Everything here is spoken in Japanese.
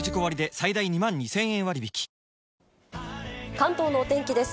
関東のお天気です。